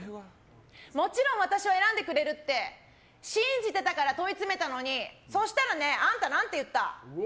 もちろん、私を選んでくれるって信じてたから問い詰めたのに、そしたらねあんた何て言った？